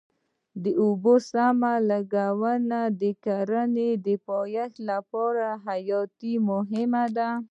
د اوبو سم لګول د کرنې د پایښت لپاره حیاتي مهم دی.